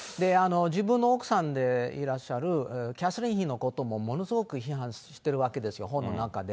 自分の奥さんでいらっしゃるキャサリン妃のこともものすごく批判してるわけですよ、本の中で。